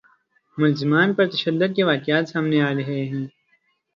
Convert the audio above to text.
ملزمان پر تشدد کے واقعات سامنے آ رہے ہیں